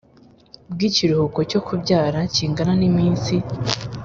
bw ikiruhuko cyo kubyara kingana n iminsi